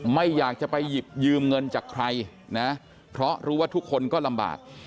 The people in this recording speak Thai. ไม่อยากจะไปหยิบยืมเงินจากใครนะเพราะรู้ว่าทุกคนก็ลำบาก